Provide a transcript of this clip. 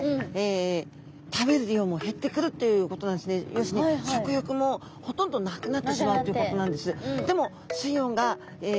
要するに食欲もほとんどなくなってしまうということなんです。